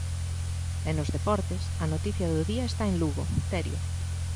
E nos deportes, a noticia do día está en Lugo, Terio.